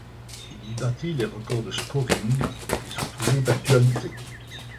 Il y battit les records de scoring, qui sont toujours d'actualité.